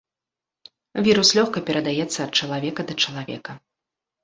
Вірус лёгка перадаецца ад чалавека да чалавека.